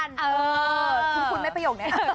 คุ้มคุ้นไหมประหล่งใน